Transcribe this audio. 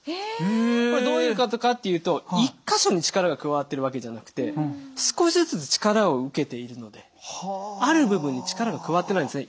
これどういうことかっていうと１か所に力が加わってるわけじゃなくて少しずつ力を受けているのである部分に力が加わってないんですね